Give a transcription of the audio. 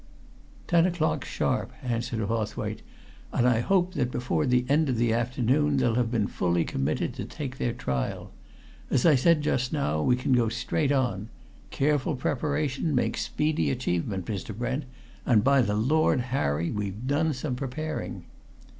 "Ten o'clock sharp," answered Hawthwaite. "And I hope that before the end of the afternoon they'll have been fully committed to take their trial! As I said just now, we can go straight on. Careful preparation makes speedy achievement, Mr. Brent! And by the Lord Harry, we've done some preparing!"